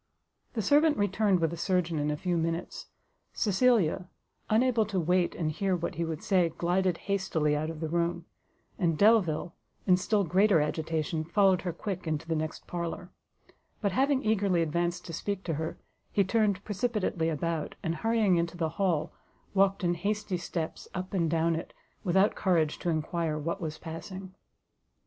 The servant returned with a surgeon in a few minutes: Cecilia, unable to wait and hear what he would say, glided hastily out of the room; and Delvile, in still greater agitation, followed her quick into the next parlour; but having eagerly advanced to speak to her, he turned precipitately about, and hurrying into the hall, walked in hasty steps up and down it, without courage to enquire what was passing.